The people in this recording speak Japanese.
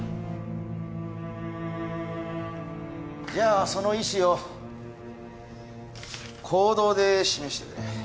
じゃあその意思を行動で示してくれ。